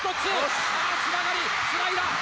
ああっつながりつないだ！